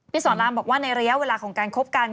สอนรามบอกว่าในระยะเวลาของการคบกัน